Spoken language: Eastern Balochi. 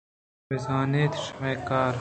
شما بزان اِت شمئے کار